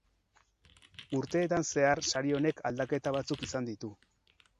Urteetan zehar sari honek aldaketa batzuk izan ditu.